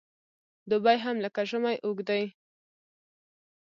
دوبی هم لکه ژمی اوږد دی .